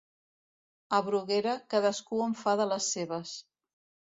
A Bruguera, cadascú en fa de les seves.